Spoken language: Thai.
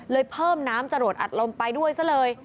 เพิ่มน้ำจรวดอัดลมไปด้วยซะเลย